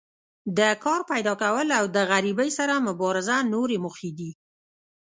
د کار پیداکول او د غریبۍ سره مبارزه نورې موخې دي.